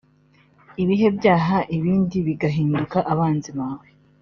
ibihe byaha ibindi bagahinduka abanzi bawe